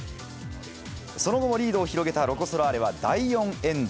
その後もリードを広げたロコ・ソラーレは第４エンド。